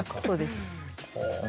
そうです。